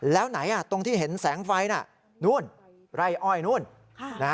แล้วไหนตรงที่เห็นแสงไฟน่ะนู่นไร่อ้อยนู่น